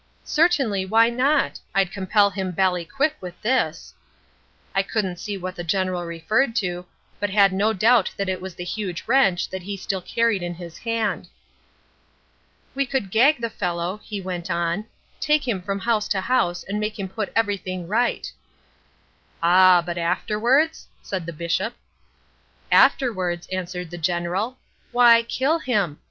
"'Certainly, why not? I'd compel him bally quick with this.' "I couldn't see what the General referred to, but had no doubt that it was the huge wrench that he still carried in his hand. "'We could gag the fellow,' he went on, 'take him from house to house and make him put everything right.' "'Ah, but afterwards?' said the Bishop. "'Afterwards,' answered the General, 'why kill him!